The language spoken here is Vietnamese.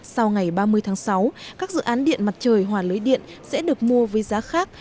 sau ngày ba mươi tháng sáu các dự án điện mặt trời hòa lưới điện sẽ được mua với giá khác